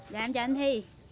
dạ em chào anh thi